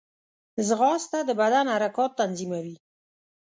ځغاسته د بدن حرکات تنظیموي